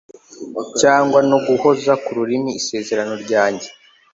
cyangwa no guhoza ku rurimi isezerano ryanjye